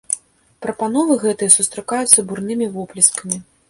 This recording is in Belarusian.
Прапановы гэтыя сустракаюцца бурнымі воплескамі.